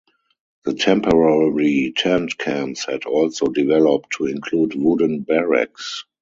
The temporary tent camps had also developed to include wooden barracks.